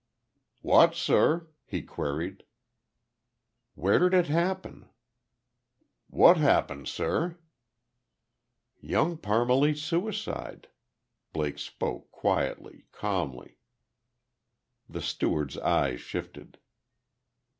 "Wot, sir?" he queried. "Where did it happen?" "Wot happen sir?" "Young Parmalee's suicide." Blake spoke quietly, calmly. The steward's eyes shifted.